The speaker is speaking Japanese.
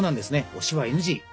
押しはＮＧ。